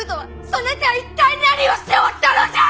そなた一体何をしておったのじゃ！